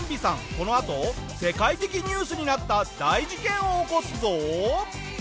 このあと世界的ニュースになった大事件を起こすぞ！